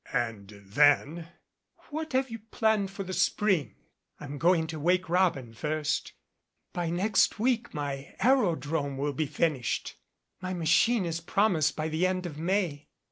And then, "What have you planned for the spring?" "I'm going to 'Wake Robin' first. By next week my aerodrome will be finished. My machine is promised by the end of May.